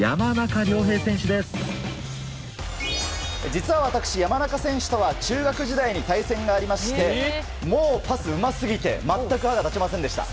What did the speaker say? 実は私、山中選手とは中学時代に対戦がありましてもうパスうますぎて全く歯が立ちませんでした。